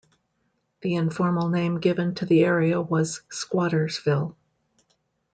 The informal name given to the area was Squatterville.